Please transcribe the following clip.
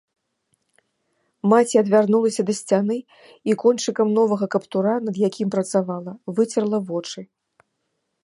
Маці адвярнулася да сцяны і кончыкам новага каптура, над якім працавала, выцерла вочы.